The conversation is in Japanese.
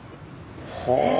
はあ。